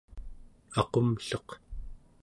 aqumlleq